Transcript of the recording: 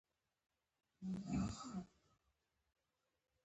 د ګاونډي ماشوم د ګاونډۍ نجلۍ.